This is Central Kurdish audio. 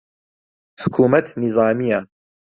حکوومەت نیزامییە